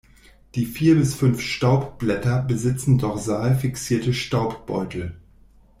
Die vier bis fünf Staubblätter besitzen dorsal fixierte Staubbeutel.